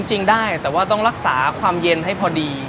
จริงได้แต่ว่าต้องรักษาความเย็นให้พอดี